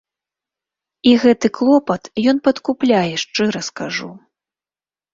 І гэты клопат ён падкупляе, шчыра скажу.